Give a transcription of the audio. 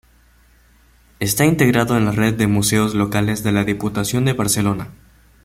Está integrado en la Red de Museos Locales de la Diputación de Barcelona.